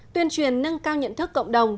tuyên truyền nâng cao nhận thức cộng đồng